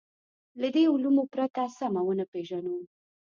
له دې علومو پرته سمه ونه پېژنو.